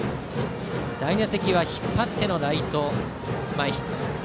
第２打席は引っ張ってのライト前ヒット。